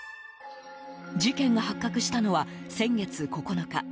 事件が発覚したのは先月９日。